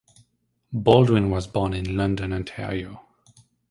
Baldwin was born in London, Ontario.